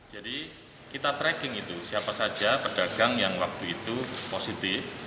jadi kita tracking itu siapa saja pedagang yang waktu itu positif